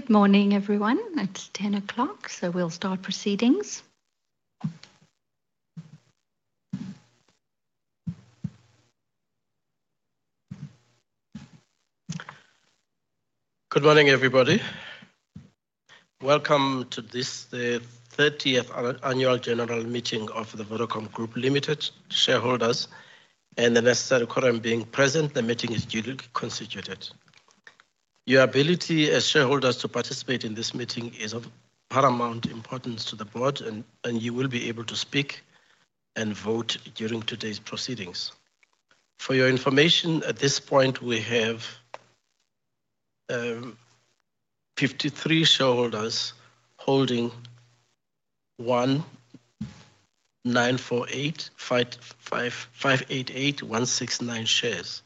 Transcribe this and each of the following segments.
Good morning, everyone. It's 10:00, so we'll start proceedings. Good morning, everybody. Welcome to this, the 30th Annual General Meeting of the Vodacom Group Limited Shareholders. The necessary quorum being present, the meeting is duly constituted. Your ability as shareholders to participate in this meeting is of paramount importance to the board, and you will be able to speak and vote during today's proceedings. For your information, at this point, we have 53 shareholders holding 1,948,588,169 shares,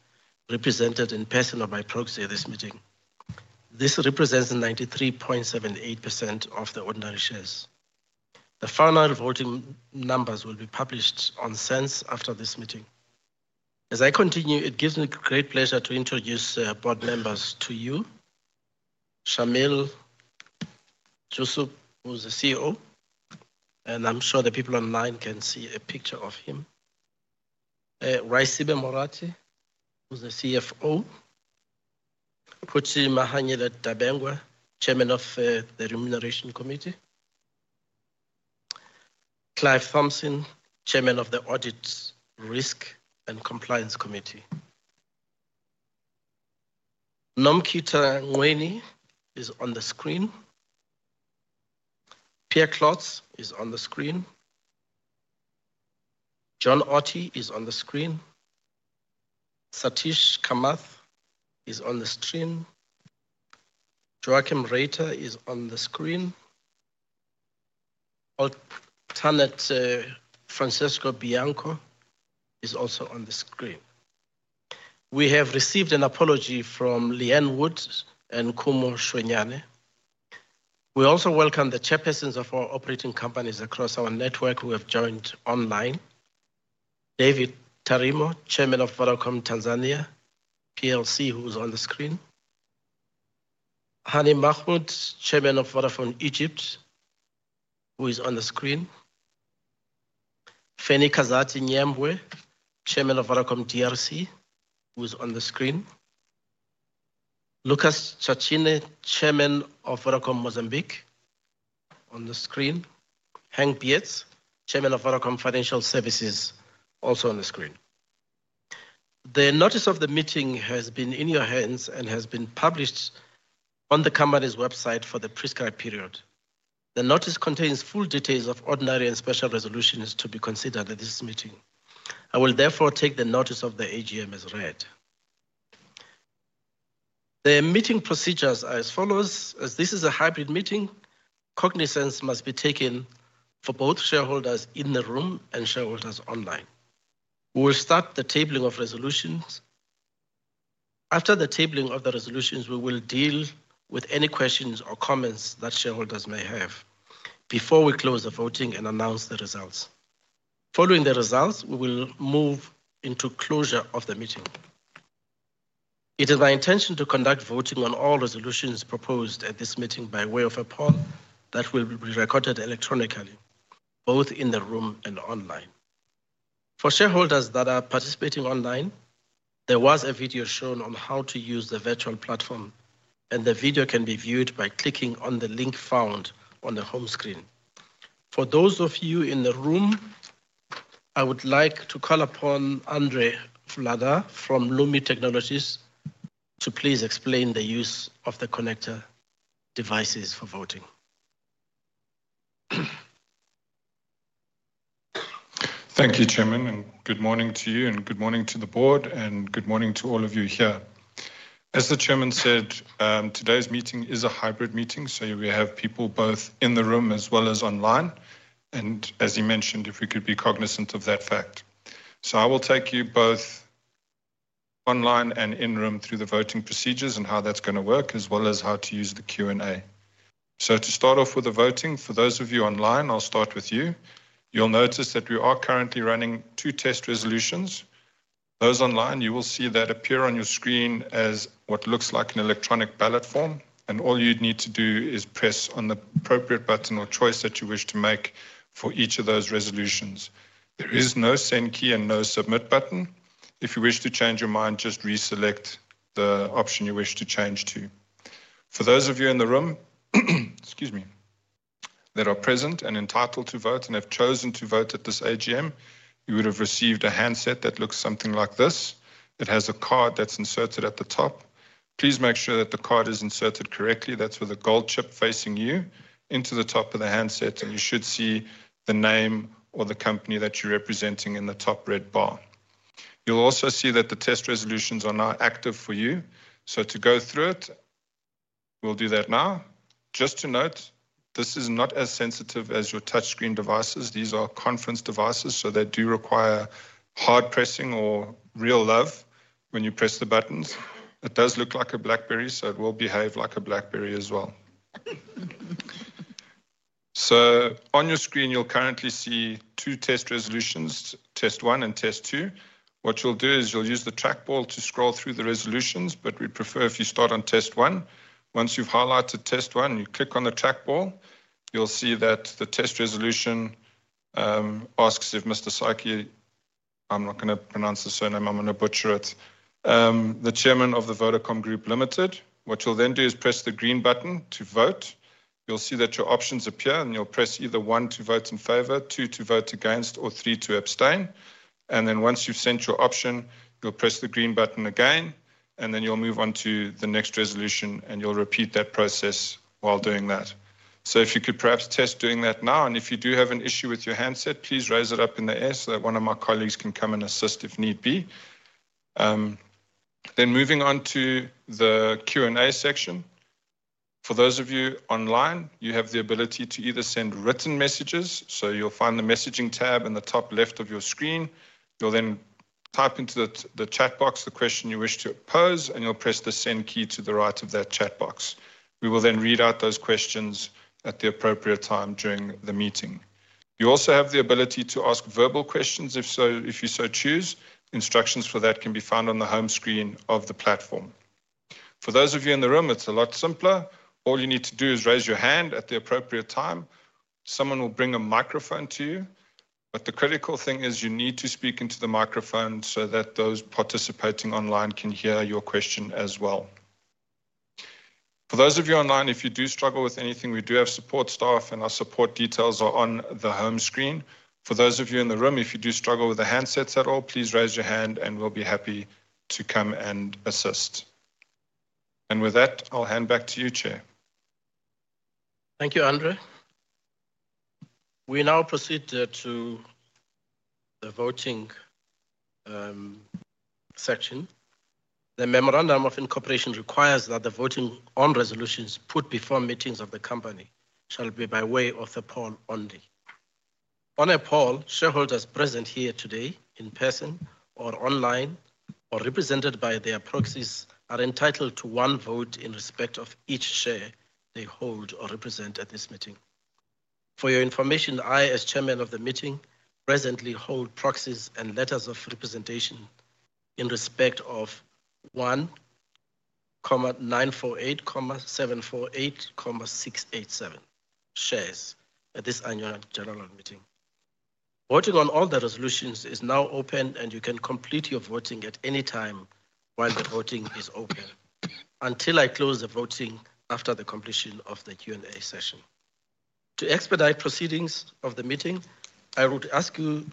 represented in person or by proxy at this meeting. This represents 93.78% of the ordinary shares. The final voting numbers will be published on SENS after this meeting. As I continue, it gives me great pleasure to introduce board members to you. Shameel Joosub, who's the CEO. I'm sure the people online can see a picture of him. Raisibe Morathi, who's the CFO. Phuthi Mahanyele-Dabengwa, Chairman of the Remuneration Committee. Clive Thomson, Chairman of the Audit, Risk and Compliance Committee. Nomkhita Nqweni is on the screen. Pierre Klotz is on the screen. John Otty is on the screen. Sateesh Kamath is on the screen. Joakim Reiter is on the screen. Alternate, Francesco Bianco is also on the screen. We have received an apology from Leanne Wood and Khumo Shuenyane. We also welcome the chairpersons of our operating companies across our network who have joined online. David Tarimo, Chairman of Vodacom Tanzania, who's on the screen. Hany Mahmoud, Chairman of Vodafone Egypt, who is on the screen. Fanny Kazati Nyembwe, Chairman of Vodacom TRC, who's on the screen. Lucas Chachine, Chairman of Vodacom Mocambique, on the screen. Henk Pietz, Chairman of Vodacom Financial Services, also on the screen. The notice of the meeting has been in your hands and has been published on the company's website for the prescribed period. The notice contains full details of ordinary and special resolutions to be considered at this meeting. I will therefore take the notice of the AGM as read. The meeting procedure is as follows: as this is a hybrid meeting, cognizance must be taken for both shareholders in the room and shareholders online. We will start the tabling of resolutions. After the tabling of the resolutions, we will deal with any questions or comments that shareholders may have before we close the voting and announce the results. Following the results, we will move into closure of the meeting. It is my intention to conduct voting on all resolutions proposed at this meeting by way of a poll that will be recorded electronically, both in the room and online. For shareholders that are participating online, there was a video shown on how to use the virtual platform, and the video can be viewed by clicking on the link found on the home screen. For those of you in the room, I would like to call upon Andrej Vladar from Lumi Technologies to please explain the use of the connector devices for voting. Thank you, Chairman, and good morning to you, and good morning to the board, and good morning to all of you here. As the Chairman said, today's meeting is a hybrid meeting, so we have people both in the room as well as online. As he mentioned, if we could be cognizant of that fact. I will take you both online and in-room through the voting procedures and how that's going to work, as well as how to use the Q&A. To start off with the voting, for those of you online, I'll start with you. You'll notice that we are currently running two test resolutions. Those online, you will see that appear on your screen as what looks like an electronic ballot form. All you'd need to do is press on the appropriate button or choice that you wish to make for each of those resolutions. There is no send key and no submit button. If you wish to change your mind, just reselect the option you wish to change to. For those of you in the room—excuse me—that are present and entitled to vote and have chosen to vote at this AGM, you would have received a handset that looks something like this. It has a card that's inserted at the top. Please make sure that the card is inserted correctly, with the gold chip facing you into the top of the handset, and you should see the name or the company that you're representing in the top red bar. You'll also see that the test resolutions are now active for you. To go through it, we'll do that now. Just to note, this is not as sensitive as your touchscreen devices. These are conference devices, so they do require hard pressing or real love when you press the buttons. It does look like a BlackBerry, so it will behave like a BlackBerry as well. On your screen, you'll currently see two test resolutions, Test one and Test two. What you'll do is use the trackball to scroll through the resolutions, but we prefer if you start on Test one. Once you've highlighted Test one, you click on the trackball. You'll see that the test resolution asks if Mr. Saki—I'm not going to pronounce the surname; I'm going to butcher it—the Chairman of the Vodacom Group Limited. What you'll then do is press the green button to vote. You'll see that your options appear, and you'll press either one to vote in favor, two to vote against, or three to abstain. Once you've sent your option, you'll press the green button again, and then you'll move on to the next resolution, and you'll repeat that process while doing that. If you could perhaps test doing that now, and if you do have an issue with your handset, please raise it up in the air so that one of my colleagues can come and assist if need be. Moving on to the Q&A section. For those of you online, you have the ability to either send written messages. You will find the messaging tab in the top left of your screen. You will then type into the chatbox the question you wish to pose, and you will press the send key to the right of that chatbox. We will then read out those questions at the appropriate time during the meeting. You also have the ability to ask verbal questions if you so choose. Instructions for that can be found on the home screen of the platform. For those of you in the room, it is a lot simpler. All you need to do is raise your hand at the appropriate time. Someone will bring a microphone to you. The critical thing is you need to speak into the microphone so that those participating online can hear your question as well. For those of you online, if you do struggle with anything, we do have support staff, and our support details are on the home screen. For those of you in the room, if you do struggle with the handsets at all, please raise your hand, and we will be happy to come and assist. With that, I will hand back to you, Chair. Thank you, Andrej. We now proceed to the voting section. The memorandum of incorporation requires that the voting on resolutions put before meetings of the company shall be by way of the poll only. On a poll, shareholders present here today in person or online or represented by their proxies are entitled to one vote in respect of each share they hold or represent at this meeting. For your information, I, as Chairman of the meeting, presently hold proxies and letters of representation in respect of 1,948,748,687 shares at this annual general meeting. Voting on all the resolutions is now open, and you can complete your voting at any time while the voting is open until I close the voting after the completion of the Q&A session. To expedite proceedings of the meeting, I would ask you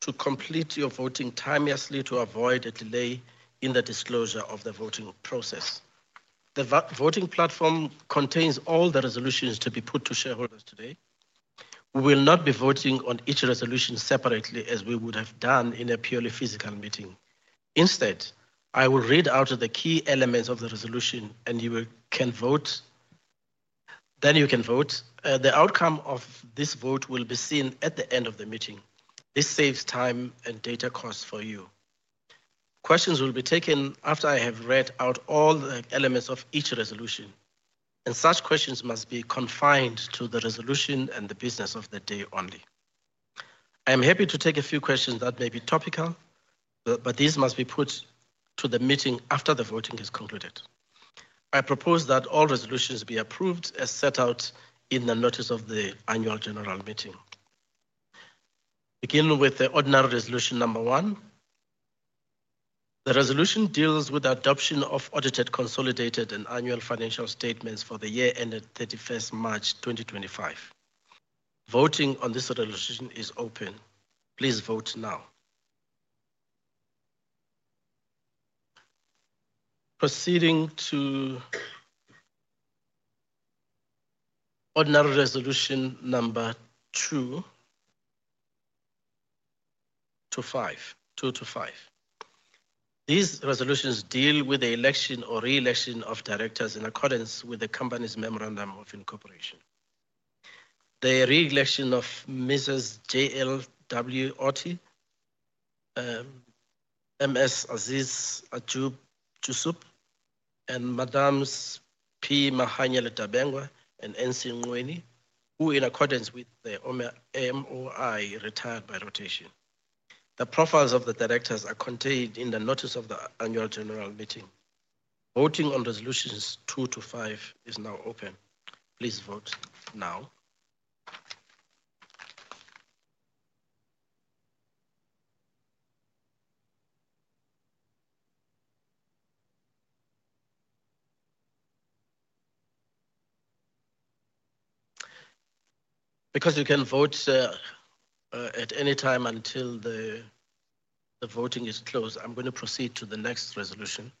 to complete your voting timelessly to avoid a delay in the disclosure of the voting process. The voting platform contains all the resolutions to be put to shareholders today. We will not be voting on each resolution separately as we would have done in a purely physical meeting. Instead, I will read out the key elements of the resolution, and you can vote. The outcome of this vote will be seen at the end of the meeting. This saves time and data costs for you. Questions will be taken after I have read out all the elements of each resolution. Such questions must be confined to the resolution and the business of the day only. I am happy to take a few questions that may be topical. These must be put to the meeting after the voting is concluded. I propose that all resolutions be approved as set out in the notice of the annual general meeting. Begin with the ordinary resolution number one. The resolution deals with the adoption of audited, consolidated, and annual financial statements for the year ended 31st March 2025. Voting on this resolution is open. Please vote now. Proceeding to ordinary resolution number two to five. These resolutions deal with the election or re-election of directors in accordance with the company's memorandum of incorporation. The re-election of Mrs. JLW Otty, M.S. Aziz Joosub, and Madams P. Mahanyele-Dabengwa and N.C. Nqweni, who in accordance with the MOI retired by rotation. The profiles of the directors are contained in the notice of the annual general meeting. Voting on resolutions two to five is now open. Please vote now. Because you can vote at any time until the voting is closed, I'm going to proceed to the next resolution,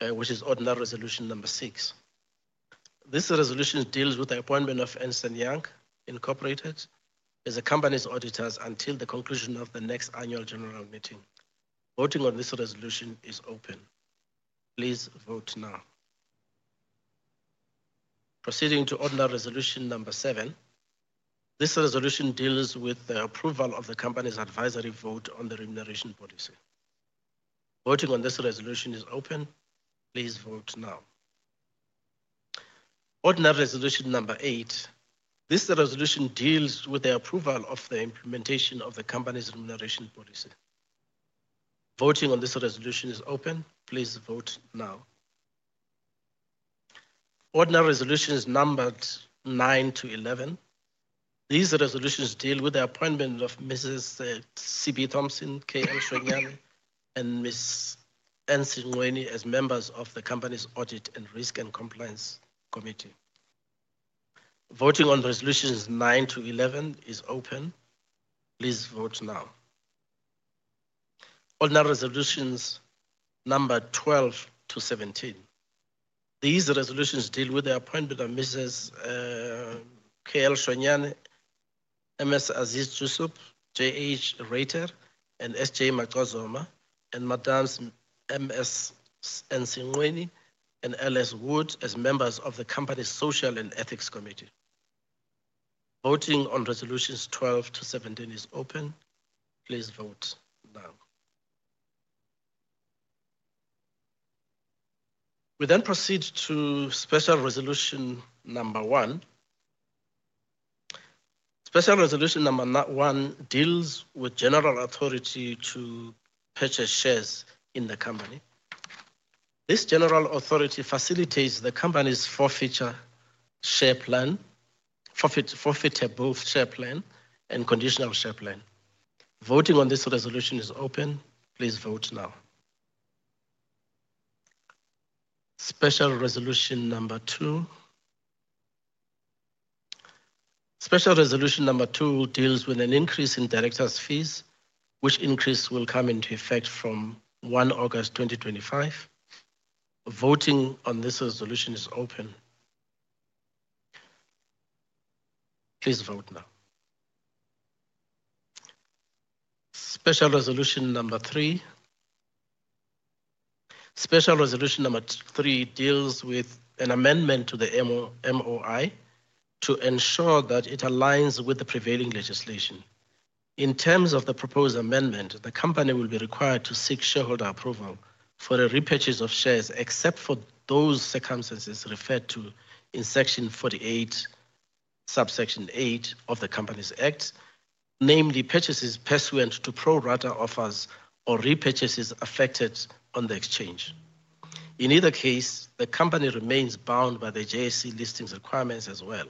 which is ordinary resolution number six. This resolution deals with the appointment of Ansen Yang Incorporated as the company's auditors until the conclusion of the next annual general meeting. Voting on this resolution is open. Please vote now. Proceeding to ordinary resolution number seven. This resolution deals with the approval of the company's advisory vote on the remuneration policy. Voting on this resolution is open. Please vote now. Ordinary resolution number eight. This resolution deals with the approval of the implementation of the company's remuneration policy. Voting on this resolution is open. Please vote now. Ordinary resolutions numbered nine to eleven. These resolutions deal with the appointment of Mrs. C.B. Thomson, K.L. Shuenyane, and Ms. N.C. Nqweni as members of the company's Audit, Risk and Compliance Committee. Voting on resolutions nine to eleven is open. Please vote now. Ordinary resolutions number twelve to seventeen. These resolutions deal with the appointment of Mrs. K.L. Shuenyane, M.S. Aziz Joosub, J. Reiter, and S.J. Macozoma, and Madams. Ms. N.C. Nqweni and L.S. Wood as members of the company's Social and Ethics Committee. Voting on resolutions twelve to seventeen is open. Please vote now. We then proceed to special resolution number one. Special resolution number one deals with general authority to purchase shares in the company. This general authority facilitates the company's Forfeitable Share Plan and Conditional Share Plan. Voting on this resolution is open. Please vote now. Special resolution number two. Special resolution number two deals with an increase in directors' fees, which increase will come into effect from 1 August 2025. Voting on this resolution is open. Please vote now. Special resolution number three. Special resolution number three deals with an amendment to the MOI to ensure that it aligns with the prevailing legislation. In terms of the proposed amendment, the company will be required to seek shareholder approval for the repurchase of shares except for those circumstances referred to in section 48, subsection eight of the Companies Act, namely purchases pursuant to pro-rata offers or repurchases effected on the exchange. In either case, the company remains bound by the JSE Listings Requirements as well,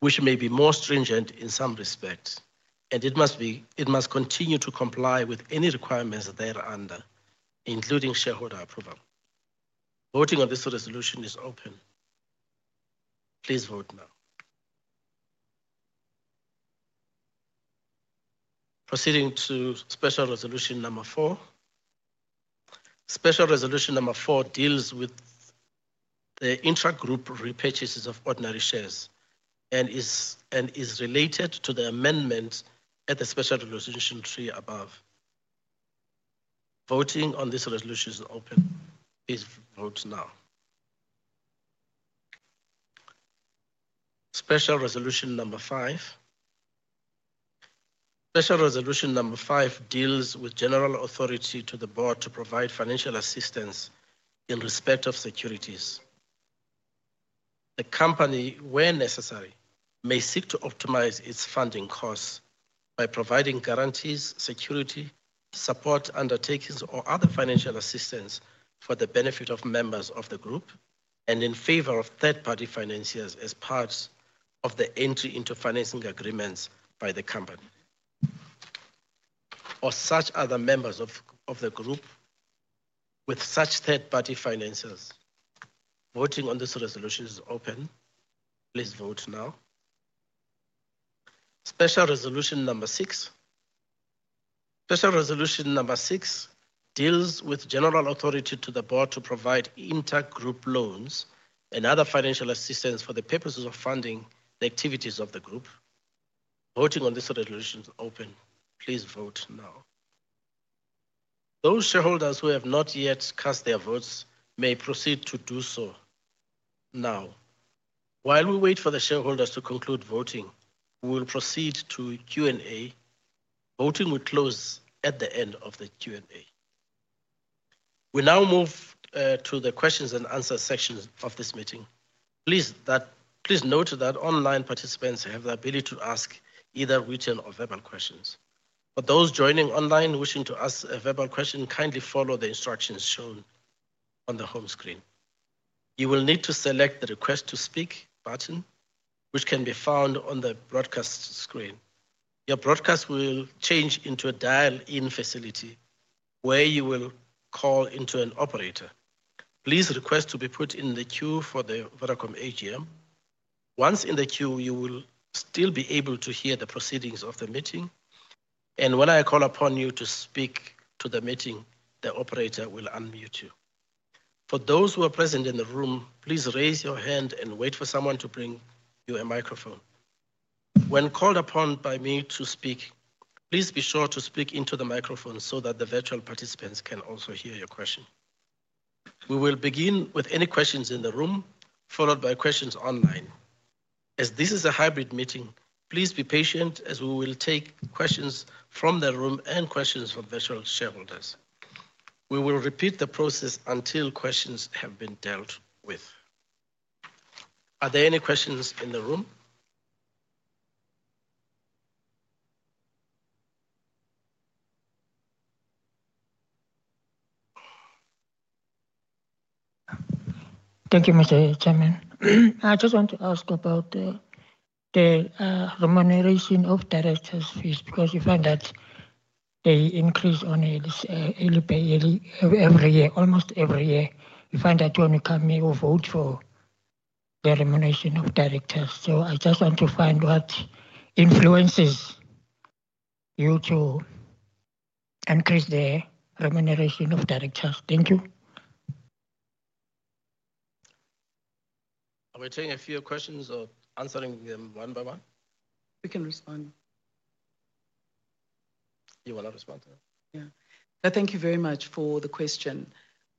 which may be more stringent in some respects. It must continue to comply with any requirements that they are under, including shareholder approval. Voting on this resolution is open. Please vote now. Proceeding to special resolution number four. Special resolution number four deals with the intra-group repurchases of ordinary shares and is related to the amendment at special resolution three above. Voting on this resolution is open. Please vote now. Special resolution number five. Special resolution number five deals with general authority to the board to provide financial assistance in respect of securities. The company, where necessary, may seek to optimize its funding costs by providing guarantees, security, support undertakings, or other financial assistance for the benefit of members of the group and in favor of third-party financiers as part of the entry into financing agreements by the company or such other members of the group with such third-party financiers. Voting on this resolution is open. Please vote now. Special resolution number six. Special resolution number six deals with general authority to the board to provide inter-group loans and other financial assistance for the purposes of funding the activities of the group. Voting on this resolution is open. Please vote now. Those shareholders who have not yet cast their votes may proceed to do so now. While we wait for the shareholders to conclude voting, we will proceed to Q&A. Voting will close at the end of the Q&A. We now move to the questions and answer section of this meeting. Please note that online participants have the ability to ask either written or verbal questions. For those joining online wishing to ask a verbal question, kindly follow the instructions shown on the home screen. You will need to select the request to speak button, which can be found on the broadcast screen. Your broadcast will change into a dial-in facility where you will call into an operator. Please request to be put in the queue for the Vodacom AGM. Once in the queue, you will still be able to hear the proceedings of the meeting. When I call upon you to speak to the meeting, the operator will unmute you. For those who are present in the room, please raise your hand and wait for someone to bring you a microphone. When called upon by me to speak, please be sure to speak into the microphone so that the virtual participants can also hear your question. We will begin with any questions in the room, followed by questions online. As this is a hybrid meeting, please be patient as we will take questions from the room and questions from virtual shareholders. We will repeat the process until questions have been dealt with. Are there any questions in the room? Thank you, Mr. Chairman. I just want to ask about the remuneration of directors' fees because you find that they increase on it every year, almost every year. You find that you only come here to vote for the remuneration of directors. I just want to find what influences you to increase the remuneration of directors. Thank you. Are we taking a few questions or answering them one by one? We can respond. You want to respond to that? Yeah. Thank you very much for the question.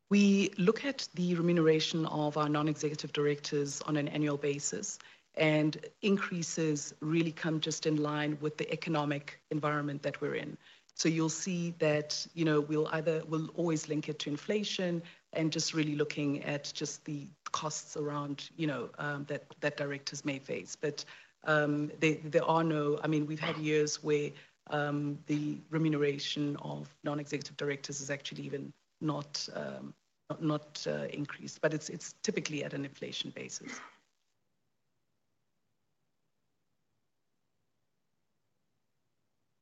We look at the remuneration of our non-executive directors on an annual basis, and increases really come just in line with the economic environment that we're in. You'll see that we'll always link it to inflation and just really looking at just the costs around that directors may face. There are no—I mean, we've had years where the remuneration of non-executive directors is actually even not increased, but it's typically at an inflation basis.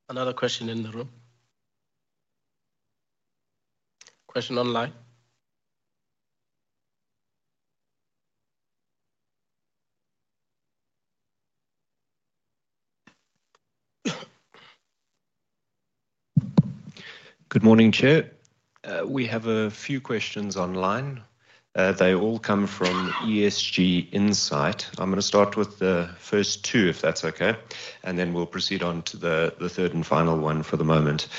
Another question in the room? Question online? Good morning, Chair. We have a few questions online. They all come from ESG Insight. I'm going to start with the first two, if that's okay, and then we'll proceed on to the third and final one for the moment.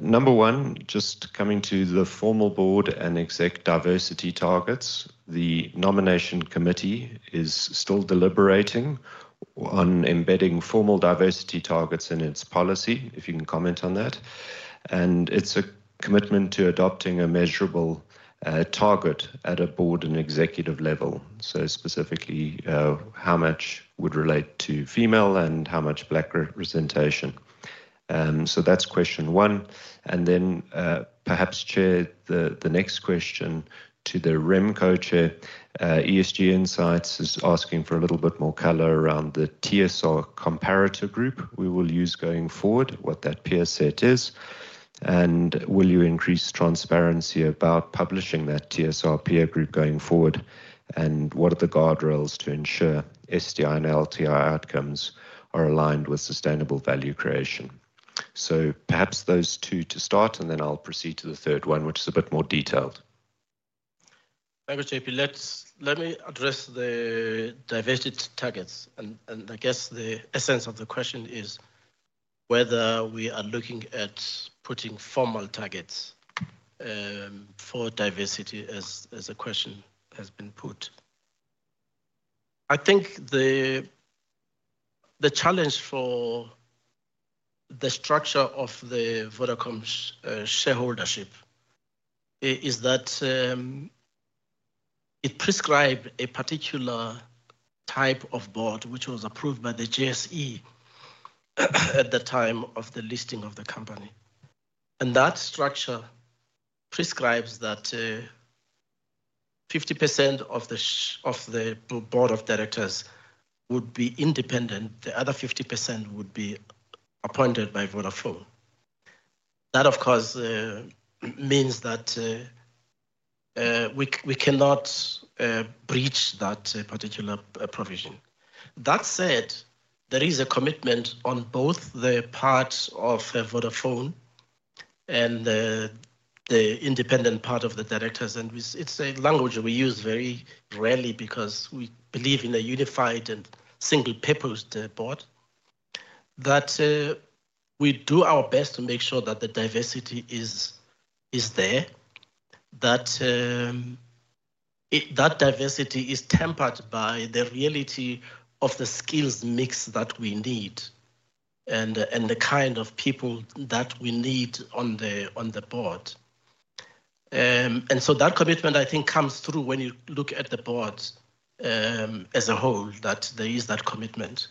Number one, just coming to the formal board and exec diversity targets. The Nomination Committee is still deliberating on embedding formal diversity targets in its policy, if you can comment on that. And it's a commitment to adopting a measurable target at a board and executive level. Specifically, how much would relate to female and how much Black representation? That's question one. Perhaps, Chair, the next question to the RemCo Chair. ESG Insight is asking for a little bit more color around the TSR comparator group we will use going forward, what that peer set is. Will you increase transparency about publishing that TSR peer group going forward? What are the guardrails to ensure SDI and LTI outcomes are aligned with sustainable value creation? Perhaps those two to start, and then I'll proceed to the third one, which is a bit more detailed. Thank you, JP. Let me address the diversity targets. I guess the essence of the question is whether we are looking at putting formal targets for diversity as the question has been put. I think the challenge for the structure of Vodacom's shareholdership is that it prescribed a particular type of board which was approved by the JSE at the time of the listing of the company. That structure prescribes that 50% of the board of directors would be independent. The other 50% would be appointed by Vodafone. That, of course, means that we cannot breach that particular provision. That said, there is a commitment on both the part of Vodafone and the independent part of the directors. It is a language we use very rarely because we believe in a unified and single-purpose board. We do our best to make sure that the diversity is there, that diversity is tempered by the reality of the skills mix that we need and the kind of people that we need on the board. That commitment, I think, comes through when you look at the board as a whole, that there is that commitment.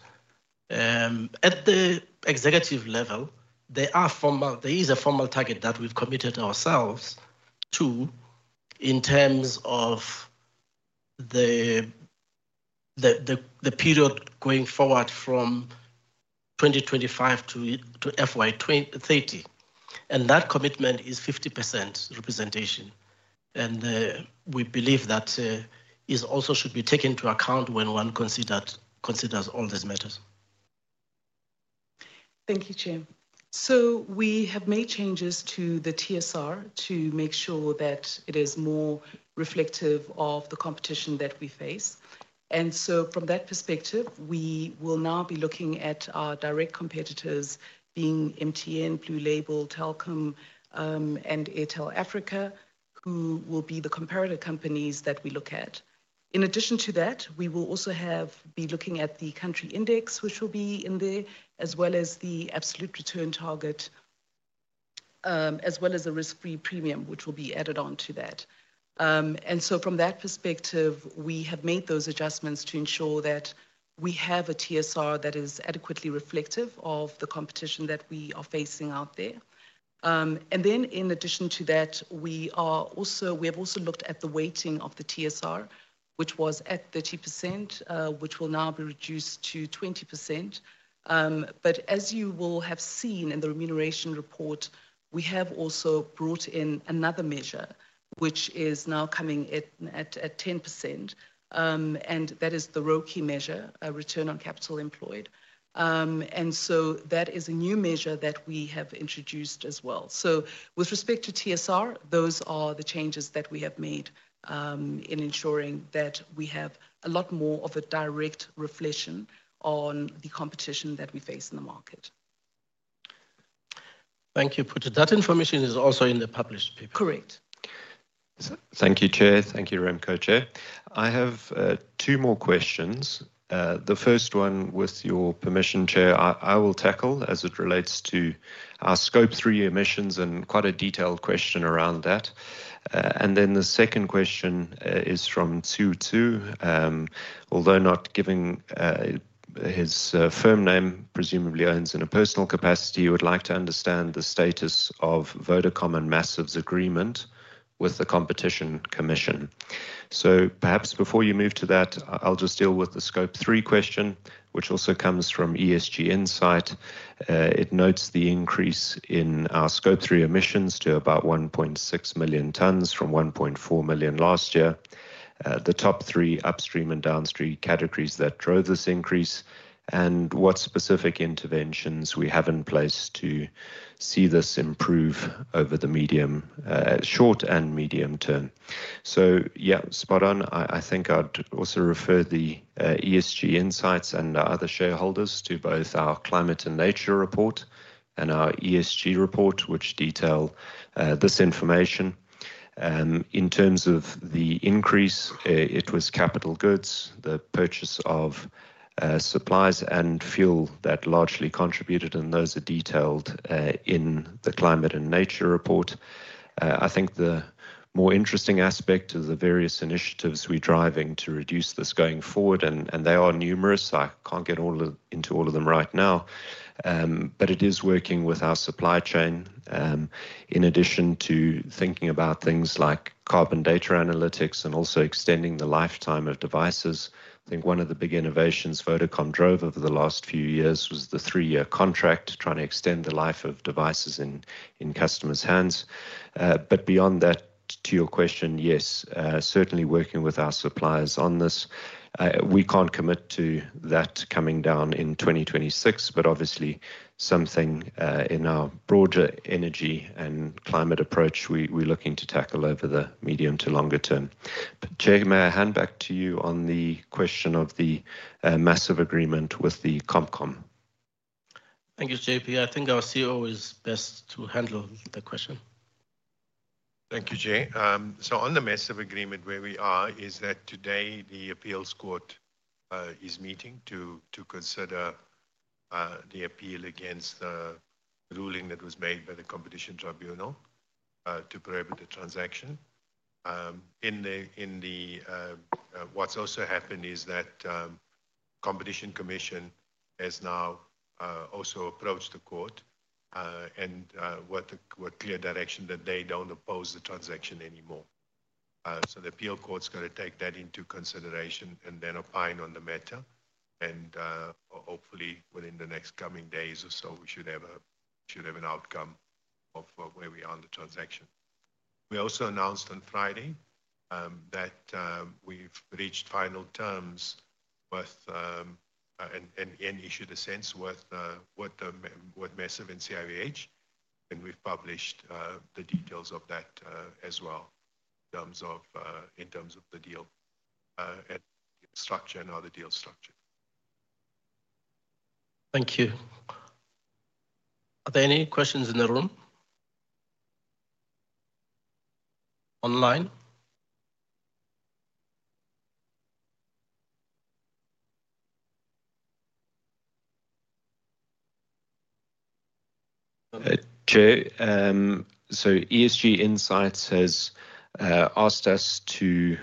At the executive level, there is a formal target that we've committed ourselves to in terms of the period going forward from 2025 to FY 2030. That commitment is 50% representation. We believe that also should be taken into account when one considers all these matters. Thank you, Chair. We have made changes to the TSR to make sure that it is more reflective of the competition that we face. From that perspective, we will now be looking at our direct competitors being MTN, Blue Label, Telkom, and Airtel Africa, who will be the comparator companies that we look at. In addition to that, we will also be looking at the country index, which will be in there, as well as the absolute return target, as well as a risk-free premium, which will be added on to that. From that perspective, we have made those adjustments to ensure that we have a TSR that is adequately reflective of the competition that we are facing out there. In addition to that, we have also looked at the weighting of the TSR, which was at 30%, which will now be reduced to 20%. As you will have seen in the remuneration report, we have also brought in another measure, which is now coming at 10%. That is the ROCE measure, return on capital employed. That is a new measure that we have introduced as well. With respect to TSR, those are the changes that we have made in ensuring that we have a lot more of a direct reflection on the competition that we face in the market. Thank you, Phuthi. That information is also in the published paper. Correct. Thank you, Chair. Thank you, RemCo Chair. I have two more questions. The first one, with your permission, Chair, I will tackle as it relates to our scope 3 emissions and quite a detailed question around that. The second question is from Zuchu. Although not giving his firm name, presumably owns in a personal capacity, he would like to understand the status of Vodacom and Massive's agreement with the Competition Commission. Perhaps before you move to that, I'll just deal with the scope 3 question, which also comes from ESG Insight. It notes the increase in our scope 3 emissions to about 1.6 million tons from 1.4 million last year. The top three upstream and downstream categories that drove this increase, and what specific interventions we have in place to see this improve over the short and medium term. Yeah, spot on. I think I'd also refer the ESG Insights and other shareholders to both our Climate and Nature report and our ESG report, which detail this information. In terms of the increase, it was capital goods, the purchase of supplies, and fuel that largely contributed, and those are detailed in the Climate and Nature report. I think the more interesting aspect is the various initiatives we're driving to reduce this going forward, and they are numerous. I can't get into all of them right now. It is working with our supply chain, in addition to thinking about things like carbon data analytics and also extending the lifetime of devices. I think one of the big innovations Vodacom drove over the last few years was the three-year contract, trying to extend the life of devices in customers' hands. Beyond that, to your question, yes, certainly working with our suppliers on this. We can't commit to that coming down in 2026, but obviously something in our broader energy and climate approach, we're looking to tackle over the medium to longer term. Chair, may I hand back to you on the question of the Massive agreement with the ComCom? Thank you, JP. I think our COO is best to handle the question. Thank you, Chair. On the massive agreement, where we are is that today the appeals court is meeting to consider the appeal against the ruling that was made by the Competition Tribunal to prohibit the transaction. What's also happened is that the Competition Commission has now also approached the court with clear direction that they do not oppose the transaction anymore. The appeal court is going to take that into consideration and then opine on the matter. Hopefully, within the next coming days or so, we should have an outcome of where we are on the transaction. We also announced on Friday that we have reached final terms and issued a SENS with Massive and CIVH, and we have published the details of that as well in terms of the deal structure and other deal structure. Thank you. Are there any questions in the room? Online? Chair. ESG Insights has asked us to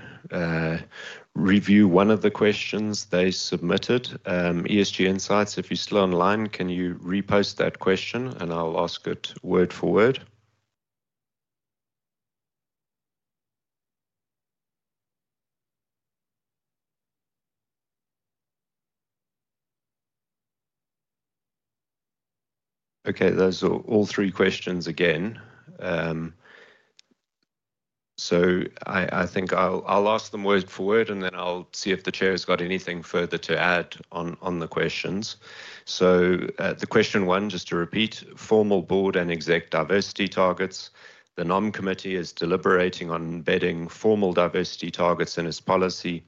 review one of the questions they submitted. ESG Insights, if you're still online, can you repost that question, and I'll ask it word for word? Okay, those are all three questions again. I think I'll ask them word for word, and then I'll see if the Chair has got anything further to add on the questions. The question one, just to repeat, formal board and exec diversity targets. The non-committee is deliberating on embedding formal diversity targets in its policy.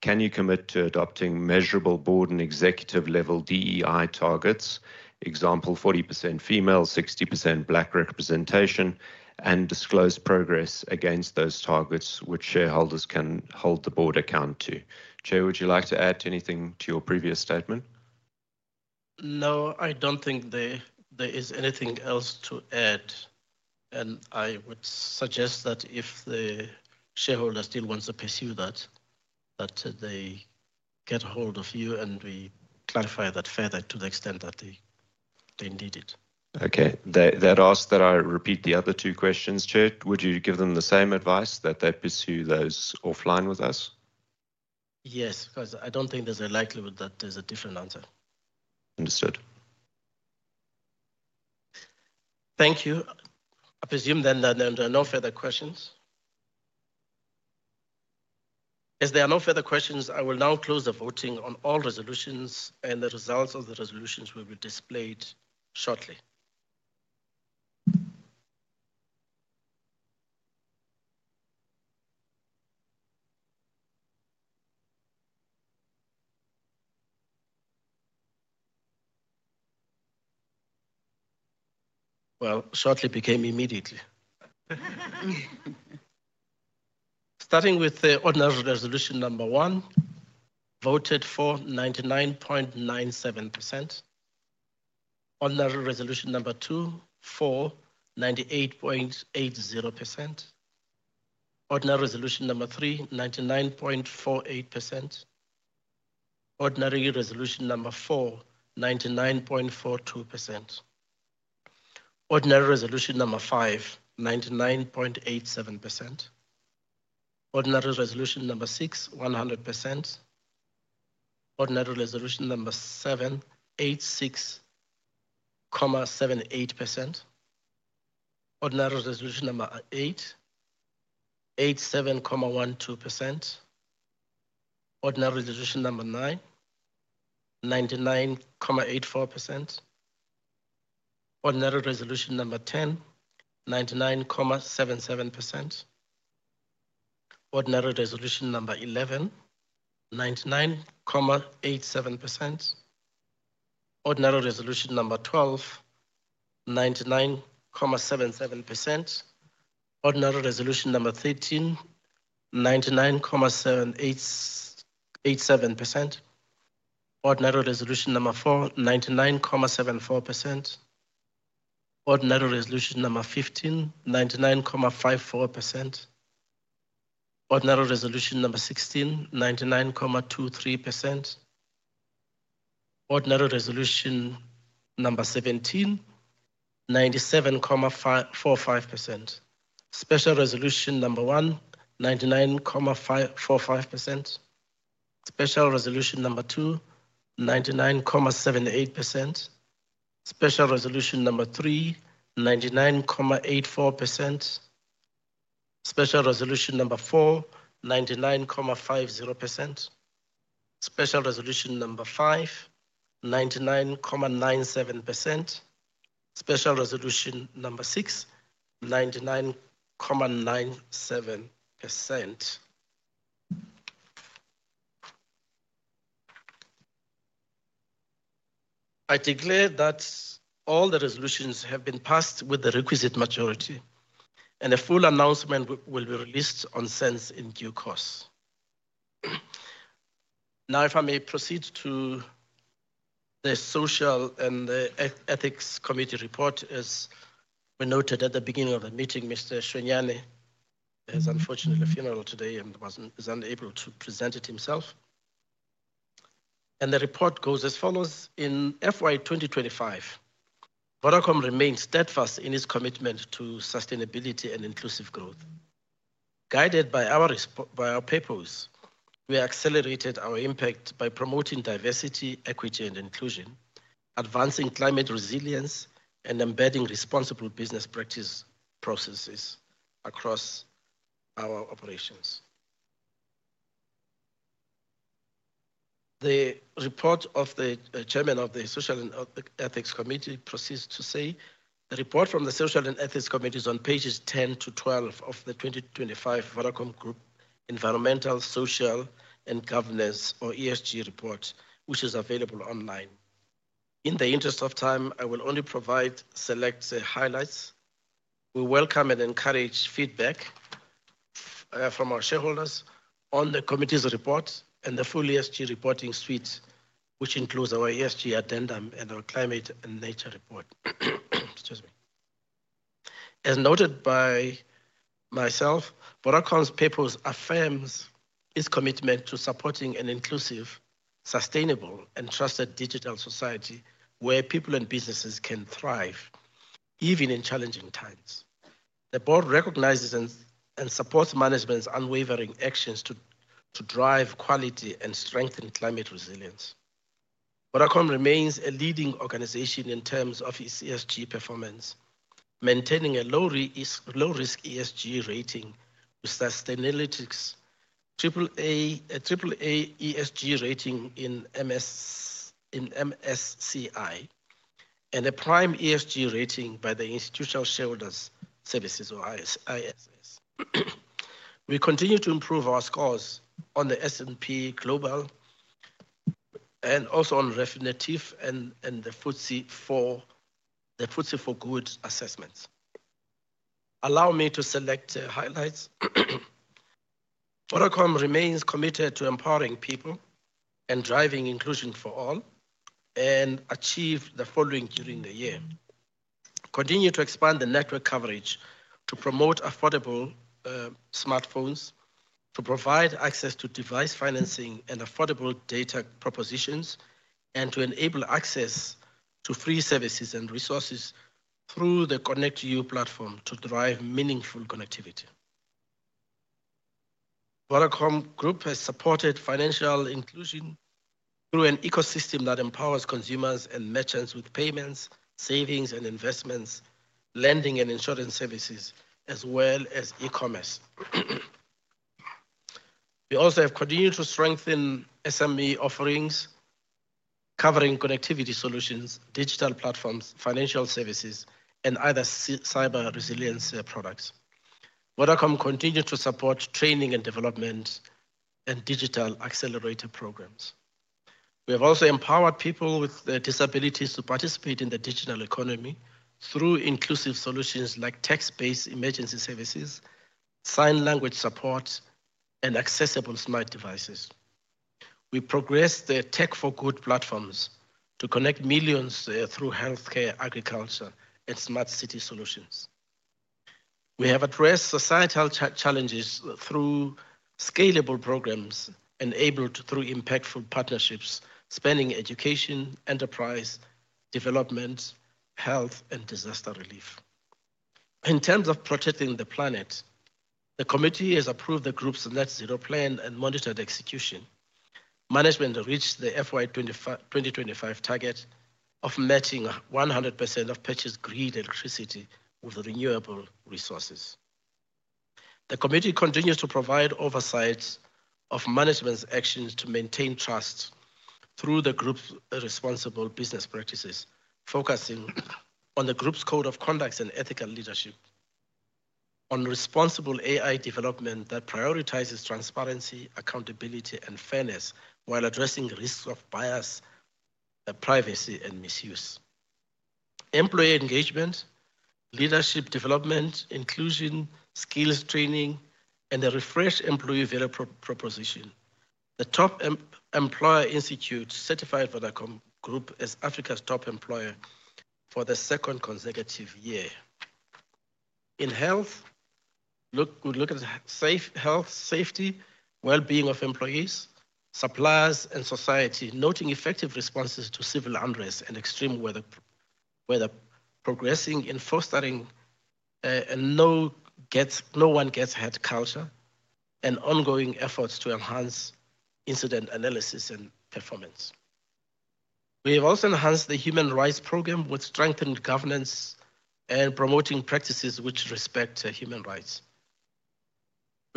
Can you commit to adopting measurable board and executive-level DEI targets, example, 40% female, 60% Black representation, and disclose progress against those targets which shareholders can hold the board account to? Chair, would you like to add anything to your previous statement? No, I don't think there is anything else to add. I would suggest that if the shareholders still want to pursue that, that they get a hold of you and we clarify that further to the extent that they need it. Okay. They'd ask that I repeat the other two questions, Chair. Would you give them the same advice, that they pursue those offline with us? Yes, because I don't think there's a likelihood that there's a different answer. Understood. Thank you. I presume then that there are no further questions. As there are no further questions, I will now close the voting on all resolutions, and the results of the resolutions will be displayed shortly. Shortly became immediately. Starting with the ordinary resolution number one. Voted for 99.97%. Ordinary resolution number two, for 98.80%. Ordinary resolution number three, 99.48%. Ordinary resolution number four, 99.42%. Ordinary resolution number five, 99.87%. Ordinary resolution number six, 100%. Ordinary resolution number seven, 86.78%. Ordinary resolution number eight, 87.12%. Ordinary resolution number nine, 99.84%. Ordinary resolution number ten, 99.77%. Ordinary resolution number eleven, 99.87%. Ordinary resolution number twelve, 99.77%. Ordinary resolution number thirteen, 99.87%. Ordinary resolution number fourteen, 99.74%. Ordinary resolution number fifteen, 99.54%. Ordinary resolution number sixteen, 99.23%. Ordinary resolution number seventeen, 97.45%. Special resolution number one, 99.45%. Special resolution number two, 99.78%. Special resolution number three, 99.84%. Special resolution number four, 99.50%. Special resolution number five, 99.97%. Special resolution number six, 99.97%. I declare that all the resolutions have been passed with the requisite majority, and a full announcement will be released on SENS in due course. Now, if I may proceed to the Social and Ethics Committee report, as we noted at the beginning of the meeting, Mr. Shuenyane is unfortunately at a funeral today and was unable to present it himself. The report goes as follows: In FY 2025, Vodacom remains steadfast in its commitment to sustainability and inclusive growth. Guided by our papers, we accelerated our impact by promoting diversity, equity, and inclusion, advancing climate resilience, and embedding responsible business practice processes across our operations. The report of the chairman of the Social and Ethics Committee proceeds to say, "The report from the Social and Ethics Committee is on pages 10 to 12 of the 2025 Vodacom Group Environmental, Social, and Governance, or ESG, report, which is available online. In the interest of time, I will only provide select highlights. We welcome and encourage feedback from our shareholders on the committee's report and the full ESG reporting suite, which includes our ESG addendum and our climate and nature report." Excuse me. As noted by myself, Vodacom's papers affirm its commitment to supporting an inclusive, sustainable, and trusted digital society where people and businesses can thrive, even in challenging times. The board recognizes and supports management's unwavering actions to drive quality and strengthen climate resilience. Vodacom remains a leading organization in terms of its ESG performance, maintaining a low-risk ESG rating with Sustainalytics, Triple A ESG rating in MSCI, and a prime ESG rating by Institutional Shareholder Services, or ISS. We continue to improve our scores on S&P Global, and also on Refinitiv and the FTSE4Good assessments. Allow me to select highlights. Vodacom remains committed to empowering people and driving inclusion for all, and achieved the following during the year. Continue to expand the network coverage to promote affordable. Smartphones, to provide access to device financing and affordable data propositions, and to enable access to free services and resources through the Connect You platform to drive meaningful connectivity. Vodacom Group has supported financial inclusion through an ecosystem that empowers consumers and merchants with payments, savings, and investments, lending, and insurance services, as well as e-commerce. We also have continued to strengthen SME offerings, covering connectivity solutions, digital platforms, financial services, and other cyber resilience products. Vodacom continues to support training and development. And digital accelerator programs. We have also empowered people with disabilities to participate in the digital economy through inclusive solutions like text-based emergency services, sign language support. And accessible smart devices. We progressed the Tech for Good platforms to connect millions through healthcare, agriculture, and smart city solutions. We have addressed societal challenges through. Scalable programs enabled through impactful partnerships, spanning education, enterprise, development, health, and disaster relief. In terms of protecting the planet, the committee has approved the group's net zero plan and monitored execution. Management reached the FY 2025 target of matching 100% of purchased grid electricity with renewable resources. The committee continues to provide oversight of management's actions to maintain trust through the group's responsible business practices, focusing on the group's code of conduct and ethical leadership. On responsible AI development that prioritizes transparency, accountability, and fairness while addressing risks of bias. Privacy, and misuse. Employee engagement. Leadership development, inclusion, skills training, and a refreshed employee value proposition. The Top Employer Institute certified Vodacom Group as Africa's top employer for the second consecutive year. In health. We look at safe health, safety, well-being of employees, suppliers, and society, noting effective responses to civil unrest and extreme weather. Progressing in fostering. A no-one-gets-head culture and ongoing efforts to enhance incident analysis and performance. We have also enhanced the human rights program with strengthened governance and promoting practices which respect human rights.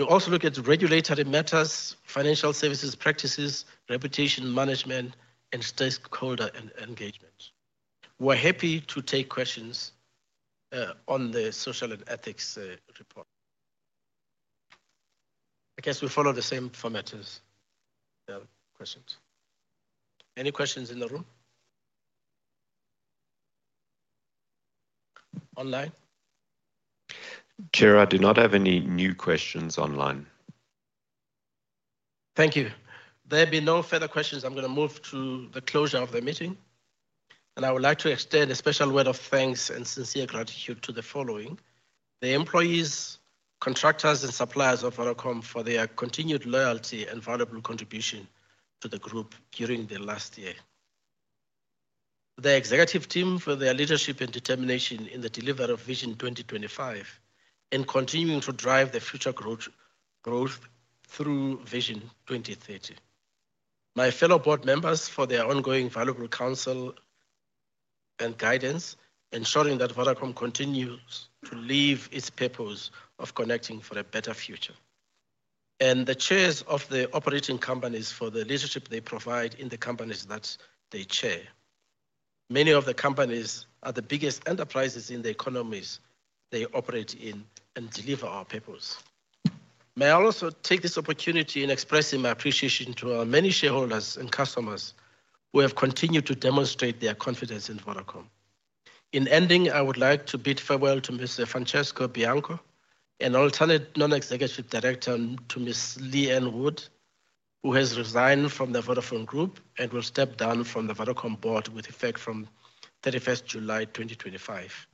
We also look at regulatory matters, financial services practices, reputation management, and stakeholder engagement. We're happy to take questions. On the social and ethics report. I guess we follow the same format as. The questions. Any questions in the room? Online? Chair, I do not have any new questions online. Thank you. There being no further questions, I'm going to move to the closure of the meeting. I would like to extend a special word of thanks and sincere gratitude to the following. The employees, contractors, and suppliers of Vodacom for their continued loyalty and valuable contribution to the group during the last year. The executive team for their leadership and determination in the delivery of Vision 2025, and continuing to drive the future growth through Vision 2030. My fellow board members for their ongoing valuable counsel and guidance, ensuring that Vodacom continues to live its purpose of connecting for a better future. The chairs of the operating companies for the leadership they provide in the companies that they chair. Many of the companies are the biggest enterprises in the economies they operate in and deliver our purpose. May I also take this opportunity in expressing my appreciation to our many shareholders and customers who have continued to demonstrate their confidence in Vodacom. In ending, I would like to bid farewell to Mr. Francesco Bianco, an alternate non-executive director, and to Ms. Leanne Wood, who has resigned from the Vodafone Group and will step down from the Vodacom board with effect from 31st July 2025.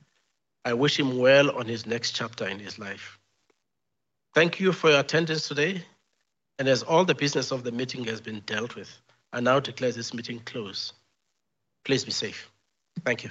I wish them well on their next chapters in life. Thank you for your attendance today. As all the business of the meeting has been dealt with, I now declare this meeting closed. Please be safe. Thank you.